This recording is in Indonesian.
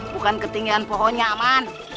bukan ketinggian pohonnya aman